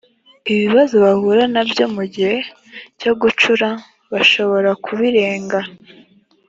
ibibazo bahura na byo mu gihe cyo gucura bashobora kubirenga